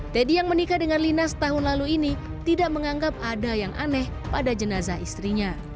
teddy yang menikah dengan lina setahun lalu ini tidak menganggap ada yang aneh pada jenazah istrinya